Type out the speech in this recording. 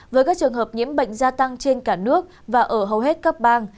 với các trường hợp nhiễm bệnh gia tăng trên cả nước và ở hầu hết các bang